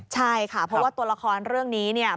ใช่ค่ะเพราะว่าตัวละครเรื่องนี้เนี่ย